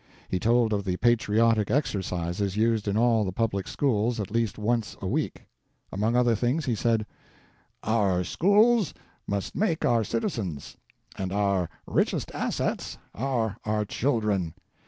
He told of the patriotic exercises used in all the public schools at least once a week. Among other things he said: "Our schools must make our citizens, and our richest assets are our children.